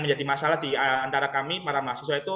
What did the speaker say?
menjadi masalah di antara kami para mahasiswa itu